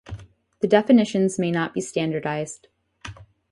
The definitions may not be standardized.